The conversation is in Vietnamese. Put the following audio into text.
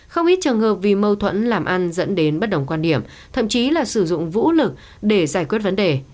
không ít trường hợp vì mâu thuẫn làm ăn dẫn đến bất đồng quan điểm thậm chí là sử dụng vũ lực để giải quyết vấn đề